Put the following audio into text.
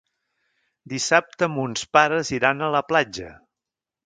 Dissabte mons pares iran a la platja.